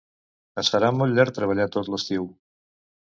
Es farà molt llarg treballar tot l'estiu